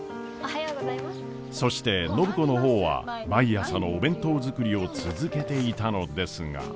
そして暢子の方は毎朝のお弁当作りを続けていたのですが。